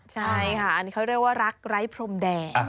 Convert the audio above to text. ใช่ค่ะอันนี้เขาเรียกว่ารักไร้พรมแดง